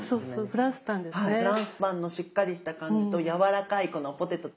フランスパンのしっかりした感じとやわらかいこのポテト。